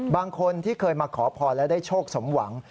บางคนที่เคยมาขอพรและได้โชคสมหวัง